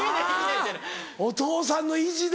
はぁお父さんの意地だ。